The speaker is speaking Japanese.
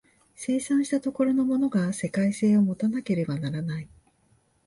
生産した所のものが世界性を有たなければならない。